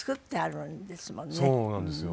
そうなんですよ。